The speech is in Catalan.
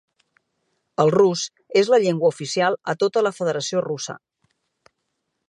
El rus és la llengua oficial a tota la Federació Russa.